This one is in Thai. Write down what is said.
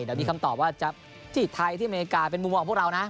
เดี๋ยวมีคำตอบว่าจะที่ไทยที่อเมริกาเป็นมุมมองของพวกเรานะ